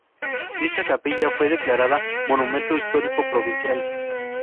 Dicha capilla fue declarada Monumento Histórico Provincial.